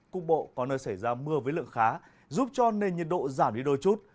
cục bộ có nơi xảy ra mưa với lượng khá giúp cho nền nhiệt độ giảm đi đôi chút